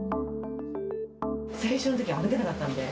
最初のときは歩けなかったんで。